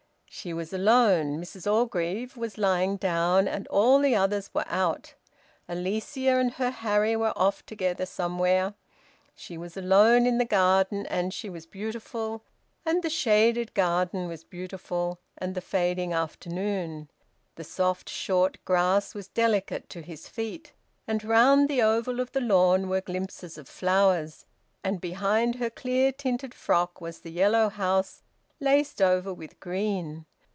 She was alone; Mrs Orgreave was lying down, and all the others were out. Alicia and her Harry were off together somewhere. She was alone in the garden, and she was beautiful, and the shaded garden was beautiful, and the fading afternoon. The soft short grass was delicate to his feet, and round the oval of the lawn were glimpses of flowers, and behind her clear tinted frock was the yellow house laced over with green.